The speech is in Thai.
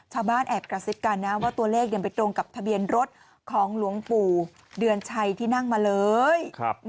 แอบกระซิบกันนะว่าตัวเลขไปตรงกับทะเบียนรถของหลวงปู่เดือนชัยที่นั่งมาเลย